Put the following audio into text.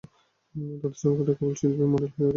তাদের সম্পর্কটি কেবল শিল্পী এবং মডেল হয়ে ওঠে।